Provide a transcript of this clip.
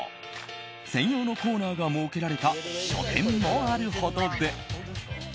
専用のコーナーが設けられた書店もあるほどで。